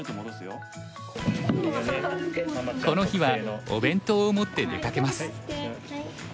この日はお弁当を持って出かけます。